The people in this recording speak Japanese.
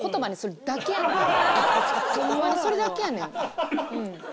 ホンマにそれだけやねん。